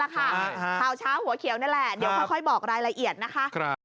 ข่าวเช้าหัวเขียวนี่แหละเดี๋ยวค่อยบอกรายละเอียดนะคะ